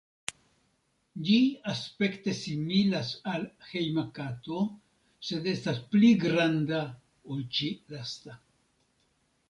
Ĝi aspekte similas al hejma kato, sed estas pli granda ol ĉi-lasta.